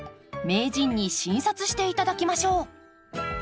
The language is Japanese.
名人に診察して頂きましょう。